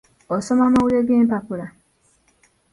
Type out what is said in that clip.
Osoma amawulire g'empapula?